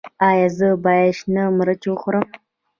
ایا زه باید شنه مرچ وخورم؟